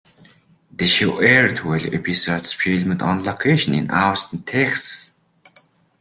The show aired twelve episodes filmed on location in Austin, Texas.